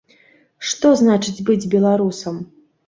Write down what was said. Што значыць быць беларусам?